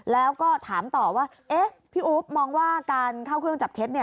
แล้วก็ถามต่อว่าพี่อุ๊บมองว่าการเข้าเครื่องจับเท็จ